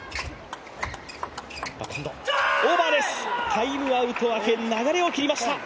タイムアウト明け流れを切りました。